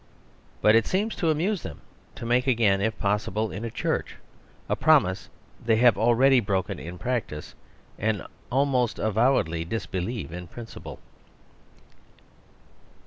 But it seems to amuse them to make again, if possible in a church, a promise they have already broken in prac tice and almost avowedly disbelieve in prin ciple.